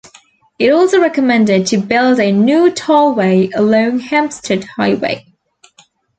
It also recommended to build a new tollway along Hempstead Highway.